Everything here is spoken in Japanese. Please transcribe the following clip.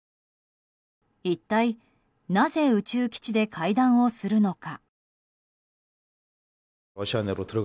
一体なぜ宇宙基地で会談をするのか。